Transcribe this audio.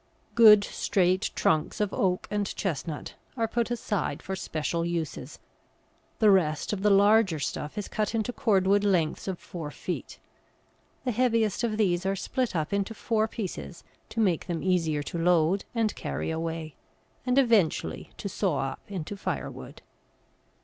Good straight trunks of oak and chestnut are put aside for special uses; the rest of the larger stuff is cut into cordwood lengths of four feet. The heaviest of these are split up into four pieces to make them easier to load and carry away, and eventually to saw up into firewood.